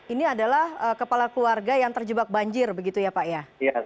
ini adalah kepala keluarga yang terjebak banjir begitu ya pak ya